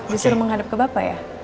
disuruh menghadap ke bapak ya